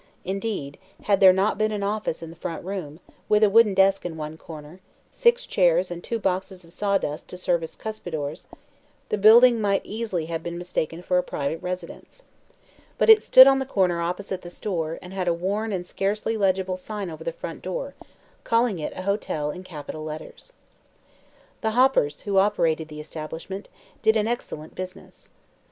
Indeed, had there not been an "office" in the front room, with a wooden desk in one corner, six chairs and two boxes of sawdust to serve as cuspidors, the building might easily have been mistaken for a private residence. But it stood on the corner opposite the store and had a worn and scarcely legible sign over the front door, calling it a hotel in capital letters. The Hoppers, who operated the establishment, did an excellent business.